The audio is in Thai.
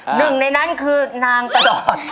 หนึ่งในนั้นคือนางประดอด